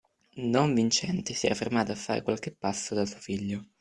Don Viciente si era fermato a qualche passo da suo figlio.